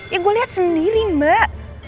ya gue lihat sendiri mbak